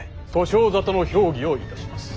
訴訟沙汰の評議をいたします。